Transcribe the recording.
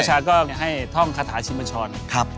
เขาให้ท่องฆาตาชิมมาชล